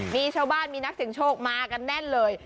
มีชาวบ้านมีนักเสียงโชคมากันแน่นเลย